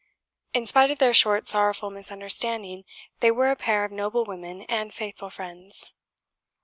In spite of their short sorrowful misunderstanding, they were a pair of noble women and faithful friends.